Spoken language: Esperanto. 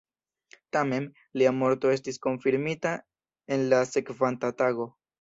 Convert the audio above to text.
Tamen, lia morto estis konfirmita en la sekvanta tago.